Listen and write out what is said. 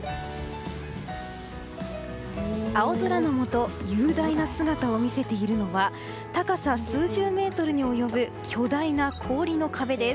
青空のもと雄大な姿を見せているのは高さ数十メートルに及ぶ巨大な氷の壁です。